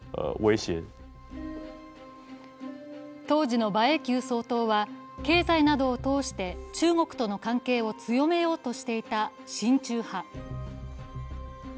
当時の馬英九総統は、経済などを通して中国との関係を強めようとしていた親中派。